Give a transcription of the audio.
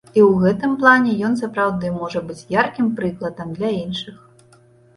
І ў гэтым плане ён сапраўды можа быць яркім прыкладам для іншых.